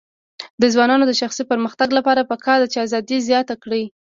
د ځوانانو د شخصي پرمختګ لپاره پکار ده چې ازادي زیاته کړي.